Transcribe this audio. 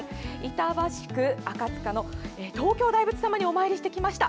板橋区赤塚の東京大仏様にお参りしてきました。